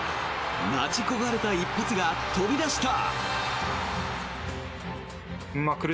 待ち焦がれた一発が飛び出した。